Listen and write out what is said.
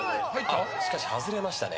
しかし外れましたね。